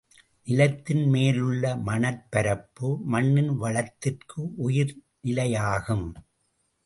நிலத்தின் மேலுள்ள மணற்பரப்பு மண்ணின் வளத்திற்கு உயிர் நிலையாகும்.